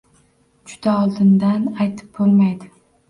Juda oldindan aytib bo'lmaydi.